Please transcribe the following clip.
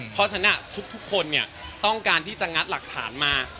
เพราะฉะนั้นทุกคนต้องการที่จะงัดหลักฐานมา